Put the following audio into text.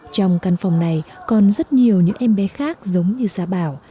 trong căn phòng này còn rất nhiều những em bé khác giống như gia bảo